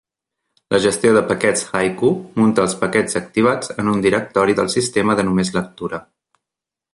La gestió de paquets Haiku munta els paquets activats en un directori del sistema de només lectura.